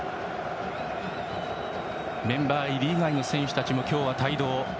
メンバー入り以外の選手たちも今日は帯同。